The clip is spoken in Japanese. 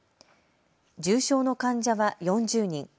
重症の患者は４０人。